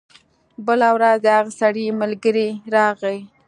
بله ورځ د هغه سړي ملګری راغی.